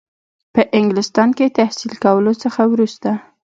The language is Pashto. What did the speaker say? په انګلستان کې تحصیل کولو څخه وروسته.